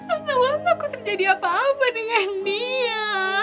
esaulah takut terjadi apa apa dengan dia